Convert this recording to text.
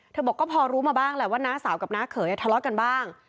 บอกก็พอรู้มาบ้างแหละว่าน้าสาวกับน้าเขยทะเลาะกันบ้าง